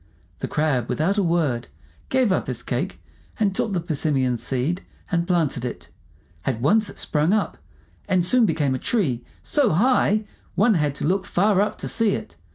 The Crab, without a word, gave up his cake, and took the persimmon seed and planted it. At once it sprung up, and soon became a tree so high one had to look far up to see it.